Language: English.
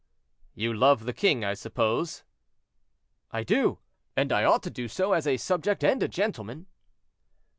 "You love the king, I suppose?" "I do; and I ought to do so, as a subject and a gentleman."